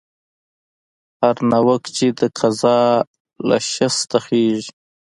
هر ناوک چې د قضا له شسته خېژي.